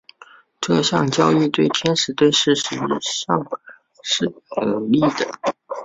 这项交易对天使队事实上是有利的。